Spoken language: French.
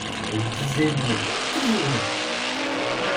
Elle disait non, toujours non.